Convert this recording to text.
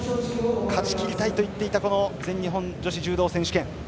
勝ちきりたいと言っていた全日本女子柔道選手権。